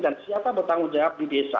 dan siapa bertanggung jawab di desa